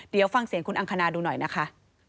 เดี๋ยวฟังเสียงคุณอังคณาดูหน่อยนะคะ